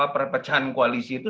perpecahan koalisi itu